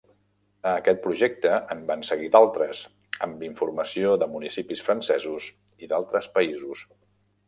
A aquest projecte en van seguir d'altres, amb informació de municipis francesos i d'altres països.